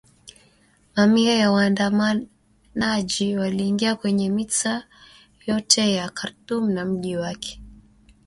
Mamia ya waandamanaji waliingia kwenye mitaa yote ya Khartoum na mji wake